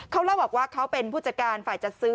เขาเล่าบอกว่าเขาเป็นผู้จัดการฝ่ายจัดซื้อ